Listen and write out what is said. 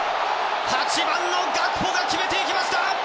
８番のガクポが決めていきました！